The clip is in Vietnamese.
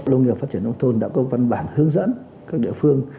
nông nghiệp phát triển nông thôn đã có văn bản hướng dẫn các địa phương